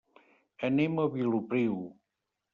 Anem a Vilopriu.